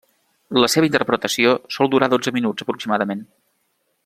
La seva interpretació sol durar dotze minuts aproximadament.